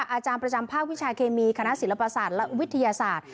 อาจารย์ประจำภาควิชาเคมีคณะศิลปศาสตร์และวิทยาศาสตร์